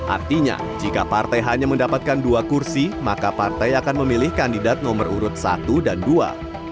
artinya jika partai hanya mendapatkan dua kursi maka partai akan memilih kandidat nomor urut satu dan dua